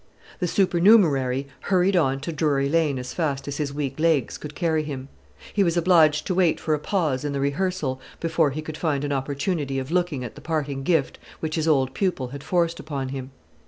The supernumerary hurried on to Drury Lane as fast as his weak legs could carry him. He was obliged to wait for a pause in the rehearsal before he could find an opportunity of looking at the parting gift which his old pupil had forced upon him.